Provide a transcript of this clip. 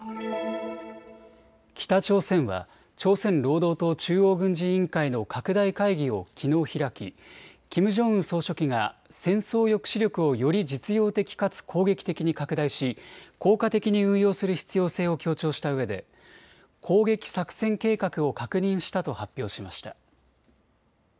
北朝鮮は朝鮮労働党中央軍事委員会の拡大会議をきのう開きキム・ジョンウン総書記が戦争抑止力をより実用的かつ攻撃的に拡大し効果的に運用する必要性を強調したうえで、攻撃作戦計画を確認したと発表しました。